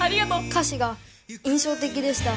歌詞が印象的でした